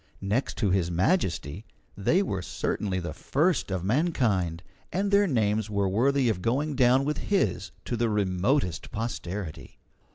Next to His Majesty, they were certainly the first of mankind, and their names were worthy of going down with his to the remotest posterity.